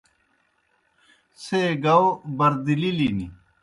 څھے گاؤ بردِلِلِن۔